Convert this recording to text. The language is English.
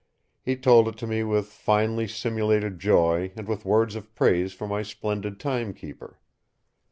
He told it to me with finely simulated joy and with words of praise for my splendid time keeper.